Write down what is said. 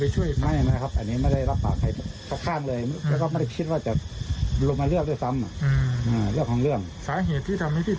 ใช่ไว้ใช่ไว้